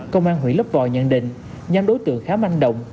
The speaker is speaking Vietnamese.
công an huyện lấp vòi nhận định nhóm đối tượng khá manh động